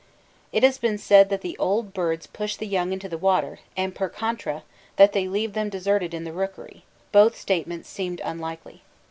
It has been said that the old birds push the young into the water, and, per contra, that they leave them deserted in the rookery both statements seemed unlikely.